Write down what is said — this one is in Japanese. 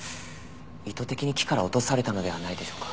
意図的に木から落とされたのではないでしょうか？